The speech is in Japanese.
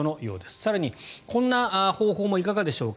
更に、こんな方法もいかがでしょうか。